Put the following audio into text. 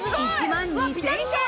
１万２０００円。